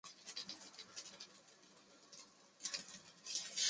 小说揭露了狄更斯时代伦敦大量孤儿的悲惨生活。